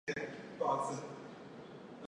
雁田抗英旧址的历史年代为清代。